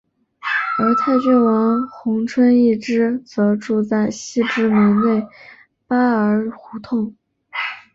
而泰郡王弘春一支则住在西直门内扒儿胡同。